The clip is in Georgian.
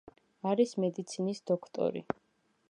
არის მედიცინის დოქტორი.